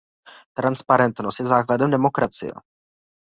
Transparentnost je základem demokracie.